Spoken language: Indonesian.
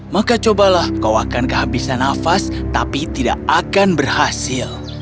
maka cobalah kau akan kehabisan nafas tapi tidak akan berhasil